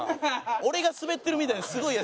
俺がスベってるみたいですごい嫌。